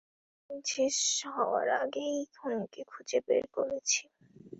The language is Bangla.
কিন্তু দিন শেষ হওয়ার আগেই আমরা খুনিকে খুঁজে বের করেছি।